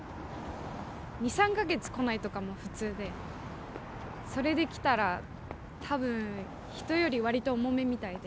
２、３か月こないとかも普通でそれで、きたら多分、人より割と重めみたいで。